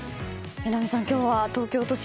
榎並さん、今日は東京都心